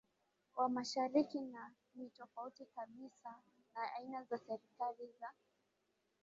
wa Mashariki na ni tofauti kabisa na aina za serikali za